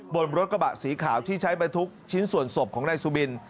บนรถกระบะสีขาวที่ใช้บรรทุกชิ้นส่วนศพของนายสุบิน